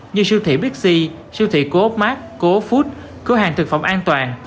như siêu thị big c siêu thị coopmart coopfood cửa hàng thực phẩm an toàn